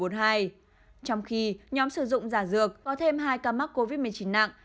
trong khi nhóm sử dụng giả dược có thêm hai ca mắc covid một mươi chín nặng